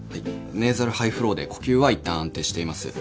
ネーザルハイフローで呼吸はいったん安定しています。